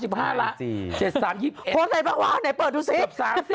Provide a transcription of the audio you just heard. โพสต์ไหนบ้างวะไหนเปิดทุกสิทธิ์